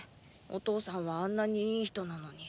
お父さんはあんなにいい人なのに。